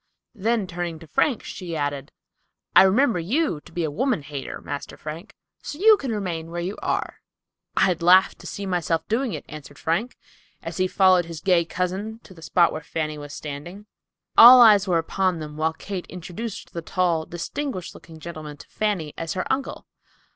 Then turning to Frank, she added, "I remember you to be a woman hater, master Frank, so you can remain where you are." "I'd laugh to see myself doing it," answered Frank, as he followed his gay cousin to the spot where Fanny was standing. All eyes were upon them, while Kate introduced the tall, distinguished looking gentleman to Fanny as her uncle.